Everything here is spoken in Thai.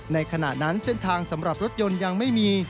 ขณะนั้นเส้นทางสำหรับรถยนต์ยังไม่มี